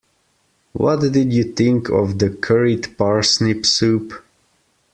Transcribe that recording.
What did you think of the curried parsnip soup?